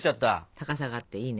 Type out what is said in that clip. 高さがあっていいね。